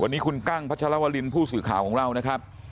วันนี้คุณกั้งพัชรวรินผู้สื่อข่าวของเรานะครับ